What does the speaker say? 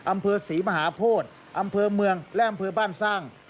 อำเภอศรีมหาโพธิอำเภอเมืองและอำเภอบ้านสร้าง